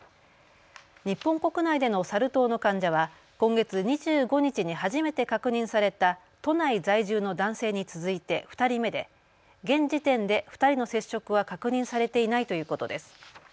日本国内でのサル痘の患者は今月２５日に初めて確認された都内在住の男性に続いて２人目で現時点で２人の接触は確認されていないということです。